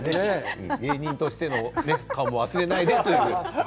芸人としての顔も忘れないでということですね。